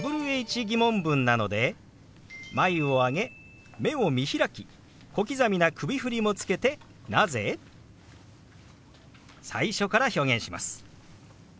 ー疑問文なので眉を上げ目を見開き小刻みな首振りもつけて「なぜ？」。最初から表現します。